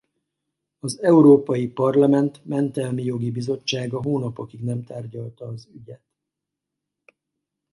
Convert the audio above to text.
Az Európai Parlament mentelmi jogi bizottsága hónapokig nem tárgyalta az ügyet.